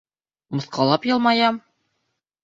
Мыҫҡыллап йылмаям?